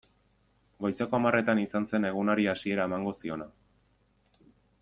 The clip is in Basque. Goizeko hamarretan izan zen egunari hasiera emango ziona.